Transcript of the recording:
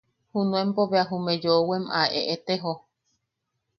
Junuempo bea jume yoʼowem a eʼetejo.